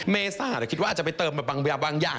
เมซ่าคิดว่าจะไปเติมแบบบางอย่าง